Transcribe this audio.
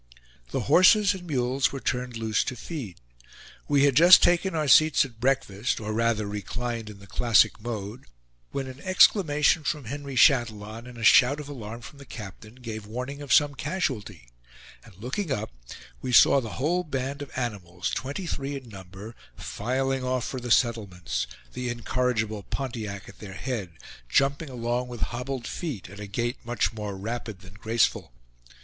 The horses and mules were turned loose to feed. We had just taken our seats at breakfast, or rather reclined in the classic mode, when an exclamation from Henry Chatillon, and a shout of alarm from the captain, gave warning of some casualty, and looking up, we saw the whole band of animals, twenty three in number, filing off for the settlements, the incorrigible Pontiac at their head, jumping along with hobbled feet, at a gait much more rapid than graceful.